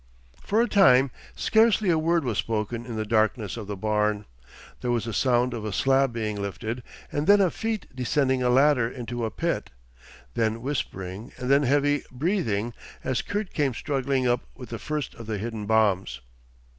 For a time scarcely a word was spoken in the darkness of the barn. There was the sound of a slab being lifted and then of feet descending a ladder into a pit. Then whispering and then heavy breathing as Kurt came struggling up with the first of the hidden bombs.